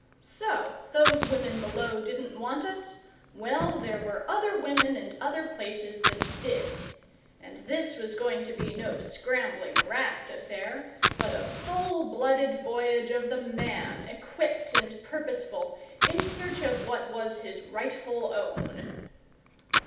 So those women below didn't want us? Well, there were other women, and other places, that did. And this was going to be no scrambling raft affair, but a full blooded voyage of the Man, equipped and purposeful, in search of what was his rightful own.